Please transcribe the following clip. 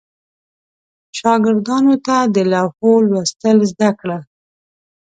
شاګردانو ته د لوحو لوستل زده کړل.